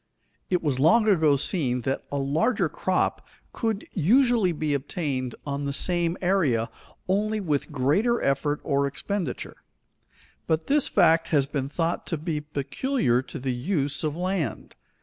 It was long ago seen that a larger crop could usually be obtained on the same area, only with greater effort or expenditure; but this fact has been thought to be peculiar to the use of land.